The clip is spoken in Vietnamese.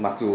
mặc dù là